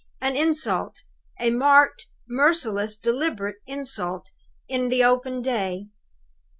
An insult a marked, merciless, deliberate insult in the open day!